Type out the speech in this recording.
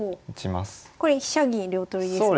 これ飛車銀両取りですよね。